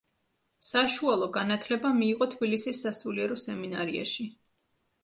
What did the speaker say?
საშუალო განათლება მიიღო თბილისის სასულიერო სემინარიაში.